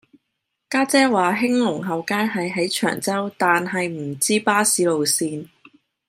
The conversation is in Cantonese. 家姐話興隆後街係喺長洲但係唔知巴士路線